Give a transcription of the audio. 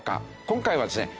今回はですね